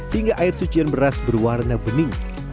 hingga air sucian beras berwarna bening